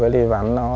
tại nhà văn súng